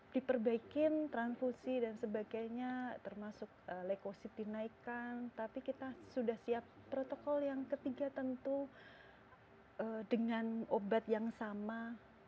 diperbaikin transfusi dan sebagainya termasuk lekoid dinaikkan tapi kita sudah siap protokol yang ketiga tentu dengan obat yang sama dengan daya tahan tubuh yang sudah